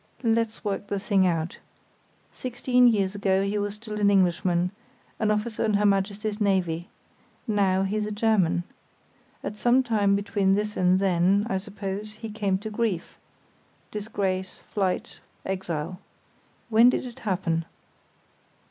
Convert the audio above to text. "Let's work the thing out. Sixteen years ago he was still an Englishman, an officer in Her Majesty's Navy. Now he's a German. At some time between this and then, I suppose, he came to grief—disgrace, flight, exile. When did it happen?"